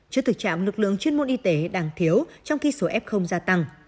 trước thực trạng lực lượng chuyên môn y tế đang thiếu trong khi số f gia tăng